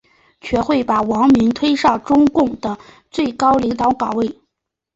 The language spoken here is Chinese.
全会把王明推上中共的最高领导岗位。